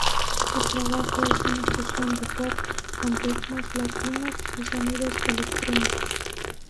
Su trabajo es una fusión de pop con ritmos latinos y sonidos electrónicos.